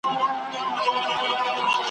آفتونه یې له خپله لاسه زېږي `